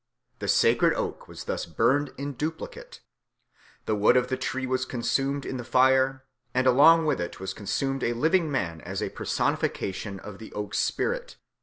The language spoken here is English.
The sacred oak was thus burned in duplicate; the wood of the tree was consumed in the fire, and along with it was consumed a living man as a personification of the oak spirit.